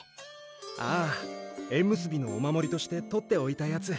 ああえん結びのお守りとして取っておいたやつ。